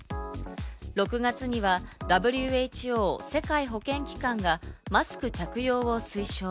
６月にはＷＨＯ＝世界保健機関がマスク着用を推奨。